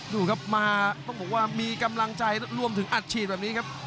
ดูครับมาต้องบอกว่ามีกำลังใจรวมถึงอัดฉีดแบบนี้ครับ